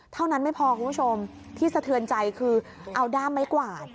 เท่านั้นไม่พอคุณผู้ชมที่สะเทือนใจคือเอาด้ามไม้กวาด